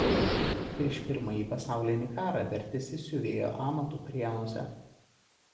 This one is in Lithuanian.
Prieš Pirmąjį pasaulinį karą vertėsi siuvėjo amatu Prienuose.